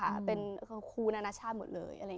ว่าคุณจะเป็นดารามาจากไหนแต่คุณต้องมาเรียน